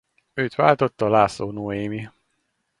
Őt váltotta László Noémi.